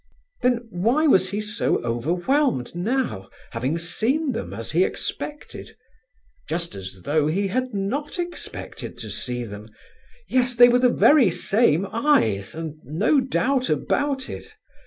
Then why was he so overwhelmed now, having seen them as he expected? just as though he had not expected to see them! Yes, they were the very same eyes; and no doubt about it.